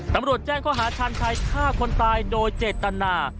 ตำรวจแจ้งข้อหาชาญชัยฆ่าคนตายโดยเจตนา